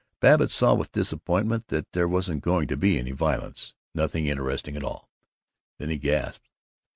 Babbitt saw with disappointment that there wasn't going to be any violence, nothing interesting at all. Then he gasped.